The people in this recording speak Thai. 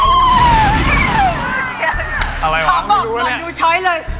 ก็บอกดูช้อยเลย